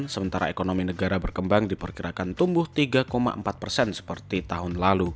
sementara ekonomi negara berkembang diperkirakan tumbuh tiga empat persen seperti tahun lalu